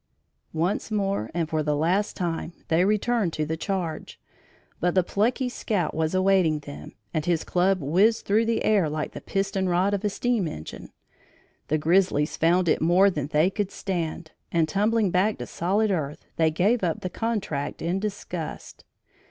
Once more and for the last time, they returned to the charge, but the plucky scout was awaiting them, and his club whizzed through the air like the piston rod of a steam engine. The grizzlies found it more than they could stand, and tumbling back to solid earth they gave up the contract in disgust.